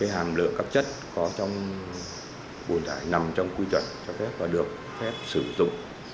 hàm lượng các chất có trong bùn thải nằm trong quy chuẩn cho phép và được phép sử dụng